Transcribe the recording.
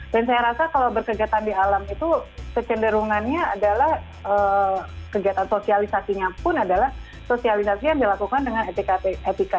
dan saya rasa kalau berkegiatan di alam itu kecenderungannya adalah kegiatan sosialisasi pun adalah sosialisasi yang dilakukan dengan etika etika